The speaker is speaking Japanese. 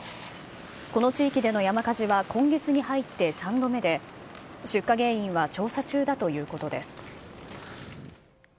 この地域での山火事は今月に入って３度目で、出火原因は調査中だということです。